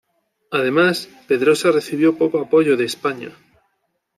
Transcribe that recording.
Además, Pedrosa recibió poco apoyo de España.